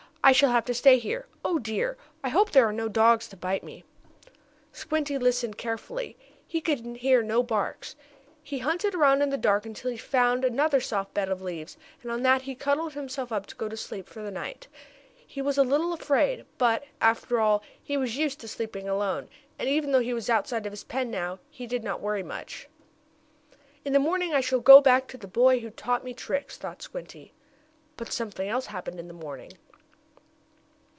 I shall have to stay here. Oh dear! I hope there are no dogs to bite me!" Squinty listened carefully. He could hear no barks. He hunted around in the dark until he found another soft bed of leaves, and on that he cuddled himself up to go to sleep for the night. He was a little afraid, but, after all, he was used to sleeping alone, and, even though he was outside of his pen now, he did not worry much. "In the morning I shall go back to the boy who taught me tricks," thought Squinty. But something else happened in the morning.